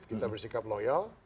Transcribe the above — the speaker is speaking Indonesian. kita bersikap loyal